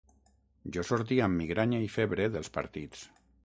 Jo sortia amb migranya i febre dels partits.